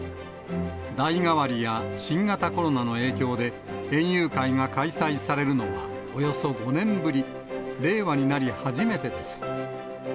代替わりや新型コロナの影響で、園遊会が開催されるのはおよそ５年ぶり、令和になり初めてです。